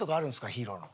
ヒーローの。